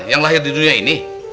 yang lahir di dunia ini